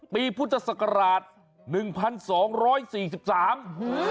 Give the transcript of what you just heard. ปีพุทธศักราช๑๒๔๓